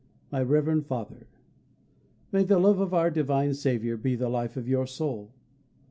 _ MY REV. FATHER, May the love of our Divine Saviour be the life of your soul....